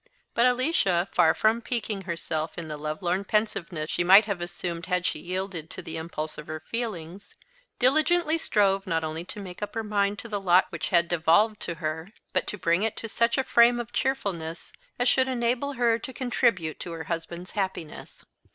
But Alicia, far from piquing herself in the lovelorn pensiveness she might have assumed, had she yielded to the impulse of her feelings, diligently strove not only to make up her mind to the lot which had devolved to her, but to bring it to such a frame of cheerfulness as should enable her to contribute to her husband's happiness.